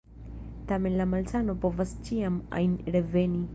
Tamen la malsano povas ĉiam ajn reveni.